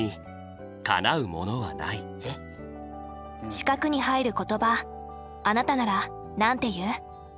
四角に入る言葉あなたならなんて言う？